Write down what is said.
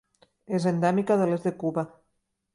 És endèmica de l'est de Cuba.